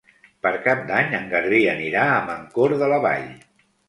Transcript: Per Cap d'Any en Garbí anirà a Mancor de la Vall.